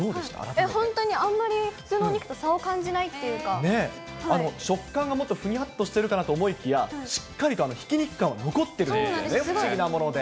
本当にあんまり普通のお肉と食感がもっとふにゃっとしてるかなと思いきや、しっかりとひき肉感は残ってるんですよね、不思議なもので。